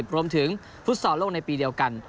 รวมถึงฟุตสอบโลกในปีเดียวกัน